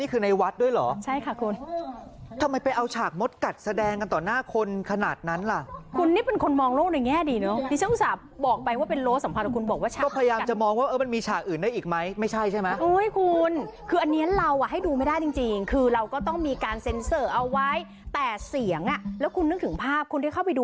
อุ๊ยอุ๊ยอุ๊ยอุ๊ยอุ๊ยอุ๊ยอุ๊ยอุ๊ยอุ๊ยอุ๊ยอุ๊ยอุ๊ยอุ๊ยอุ๊ยอุ๊ยอุ๊ยอุ๊ยอุ๊ยอุ๊ยอุ๊ยอุ๊ยอุ๊ยอุ๊ยอุ๊ยอุ๊ยอุ๊ยอุ๊ยอุ๊ยอุ๊ยอุ๊ยอุ๊ยอุ๊ยอุ๊ยอุ๊ยอุ๊ยอุ๊ยอุ๊ยอุ๊ยอุ๊ยอุ๊ยอุ๊ยอุ๊ยอุ๊ยอุ๊ยอุ๊